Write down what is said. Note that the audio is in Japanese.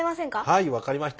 はいわかりました。